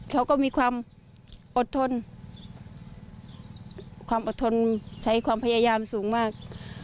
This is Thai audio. เขาก็มีความอดทนความอดทนใช้ความพยายามสูงมาก